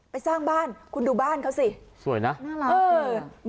สร้างบ้านคุณดูบ้านเขาสิสวยนะน่ารักเกิน